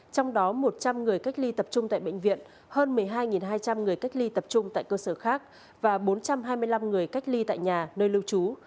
trong đó một trăm linh người cách ly tập trung tại bệnh viện hơn một mươi hai hai trăm linh người cách ly tập trung tại cơ sở khác và bốn trăm hai mươi năm người cách ly tại nhà nơi lưu trú